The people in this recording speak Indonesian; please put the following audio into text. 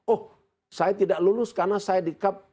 oh saya tidak lulus karena saya dikap